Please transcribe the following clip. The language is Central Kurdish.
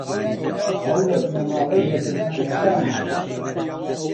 ئەو لە بنەماڵەی بەدرخانییەکان بوو